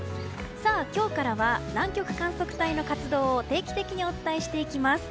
今日からは南極観測船の活動を定期的にお伝えしていきます。